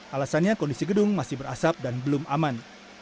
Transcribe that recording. alasannya kondisi gedung masih berasap dan belum aman